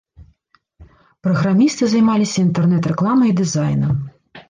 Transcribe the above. Праграмісты займаліся інтэрнэт-рэкламай і дызайнам.